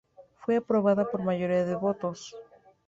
Fue aprobada por mayoría de votos.